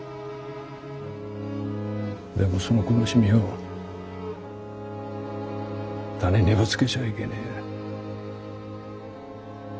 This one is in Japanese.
でもその苦しみを他人にぶつけちゃいけねえ。